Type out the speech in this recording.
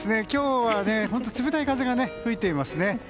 今日は冷たい風が吹いていますね。